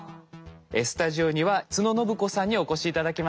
スタジオには都野展子さんにお越し頂きました。